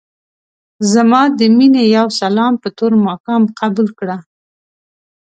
ځما دې مينې يو سلام په تور ماښام قبول کړه.